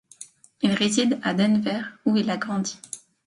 Il réside à Denver où il a grandi.